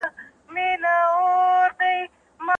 ذوالفقار خان هم د خپل هېواد د ازادۍ لپاره ډېر جنګونه وکړل.